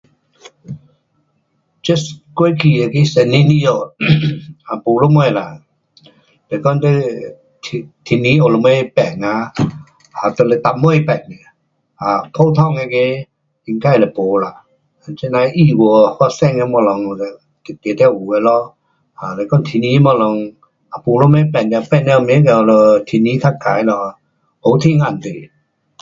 这过去的那个十年里下，um 没什么啦，是讲你天，天气有什么变啊，有就是年尾变去，普通那个应该是没啦。这呐的意外发生的东西定得是有的咯，是讲天气的东西也没什么变，变了就年后就天气较坏了，黑天暗地。